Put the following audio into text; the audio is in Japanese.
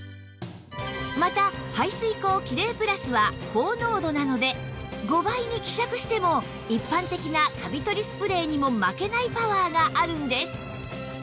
また排水口キレイプラスは高濃度なので５倍に希釈しても一般的なカビ取りスプレーにも負けないパワーがあるんです